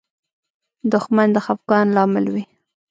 دښمن د خفګان لامل وي